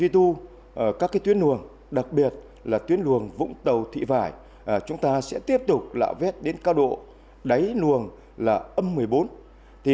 đây là nhiệm vụ tencent